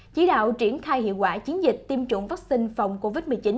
chỉ đạo triển khai hiệu quả chiến dịch tiêm chủng vaccine phòng covid một mươi chín